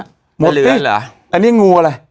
หมดสิอันนี้งูอะไร